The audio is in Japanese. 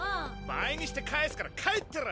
倍にして返すから帰ってろ！